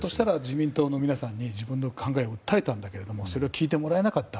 ひょっとしたら自民党の皆さんに自分の考えを訴えたけどそれを聞いてもらえなかった。